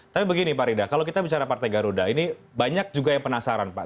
tapi begini pak rida kalau kita bicara partai garuda ini banyak juga yang penasaran pak